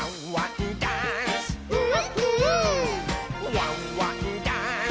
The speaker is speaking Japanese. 「ワンワンダンス！」